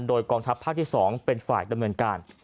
โดยกองทัพภาคที่๒เป็นฝ่ายดำเนินการ